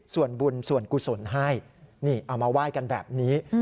ส่วนบุญส่วนกุศลให้นี่เอามาไหว้กันแบบนี้